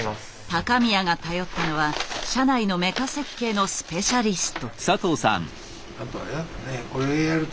高宮が頼ったのは社内のメカ設計のスペシャリスト。